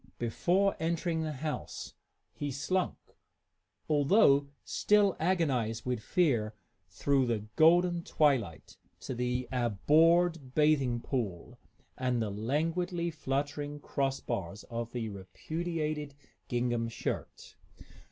Before entering the house, he slunk, although still agonized with fear, through the golden twilight to the abhorred bathing pool and the languidly fluttering cross bars of the repudiated gingham shirt.